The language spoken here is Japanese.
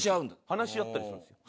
話し合ったりするんですよ。